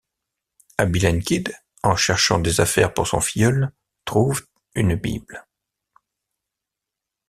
Abilene Kid, en cherchant des affaires pour son filleul, trouve une Bible.